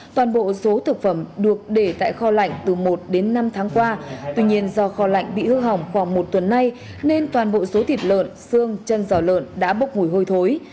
toàn bộ số thực phẩm được để tại kho lạnh từ một đến năm tháng qua tuy nhiên do kho lạnh bị hư hỏng khoảng một tuần nay nên toàn bộ số thịt lợn xương chân giò lợn đã bốc mùi hôi thối